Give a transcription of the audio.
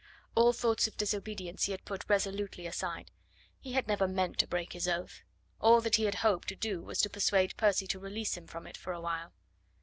All thoughts of disobedience he had put resolutely aside; he had never meant to break his oath. All that he had hoped to do was to persuade Percy to release him from it for awhile.